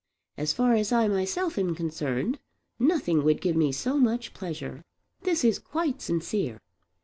As far as I myself am concerned nothing would give me so much pleasure. This is quite sincere.